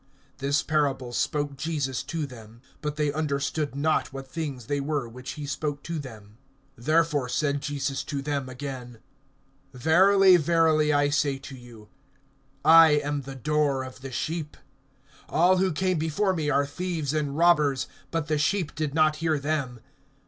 (6)This parable spoke Jesus to them; but they understood not what things they were which he spoke to them. (7)Therefore said Jesus to them again: Verily, verily, I say to you, I am the door of the sheep. (8)All who came before me are thieves and robbers; but the sheep did not hear them.